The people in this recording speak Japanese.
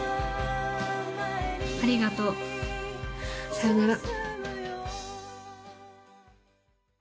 ありがとう、さようなら。